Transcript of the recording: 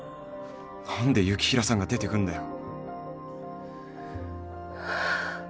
何で雪平さんが出てくんだよ